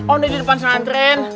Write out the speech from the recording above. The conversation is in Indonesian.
oh ini di depan santren